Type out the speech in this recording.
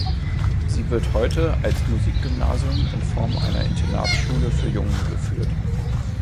Sie wird heute als Musikgymnasium in Form einer Internatsschule für Jungen geführt.